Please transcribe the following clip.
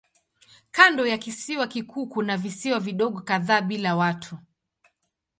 Kando ya kisiwa kikuu kuna visiwa vidogo kadhaa bila watu.